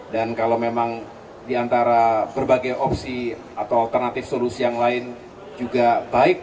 dan kalau memang diantara berbagai opsi atau alternatif solusi yang lain juga baik